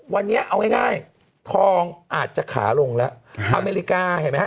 วันนี้เอาง่ายทองอาจจะขาลงแล้วอเมริกาเห็นไหมฮะ